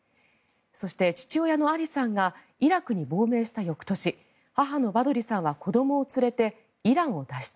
そして、父親のアリさんがイラクに亡命した翌年母のバドリさんは子どもを連れてイランを脱出。